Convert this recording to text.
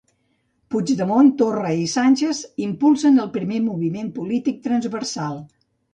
Puigdemont, Torra i Sánchez impulsen el primer moviment polític transversal.